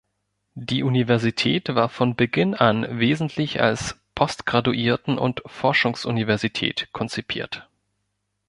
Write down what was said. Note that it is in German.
Die Universität war von Beginn an wesentlich als Postgraduierten- und Forschungsuniversität konzipiert.